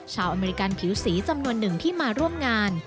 อเมริกันผิวสีจำนวนหนึ่งที่มาร่วมงาน